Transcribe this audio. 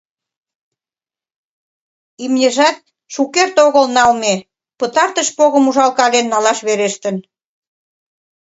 Имньыжат шукерте огыл налме, пытартыш погым ужалкален налаш верештын...